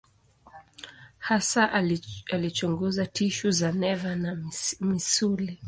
Hasa alichunguza tishu za neva na misuli.